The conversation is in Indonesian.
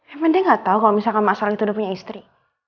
emang dia gak tau kalau mas al itu udah punya istri